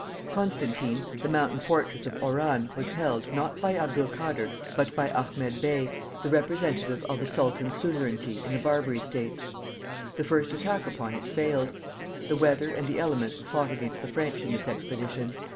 Constantine, the mountain fortress of Oran, was held, not by Abdul Kader, but by Ahmed Bey, the representative of the sultan's suzerainty in the Barbary States. The first attack upon it failed. The weather and the elements fought against the French in this expedition.